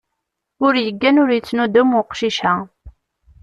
Ur yeggan ur yettnudum uqcic-a.